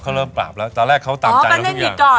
เขาเริ่มปราบแล้วตอนแรกเขาตามใจทุกอย่าง